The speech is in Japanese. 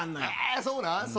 そうなん？